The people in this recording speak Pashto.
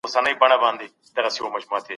په دغي برخي کي يوازي يو سړی ناست دی.